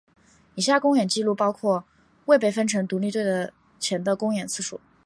以下公演记录包括未被分成独立队前的公演次数。